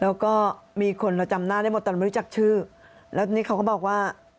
แล้วก็มีคนเราจำหน้าได้หมดตอนไม่รู้จักชื่อแล้วนี่เขาก็บอกว่า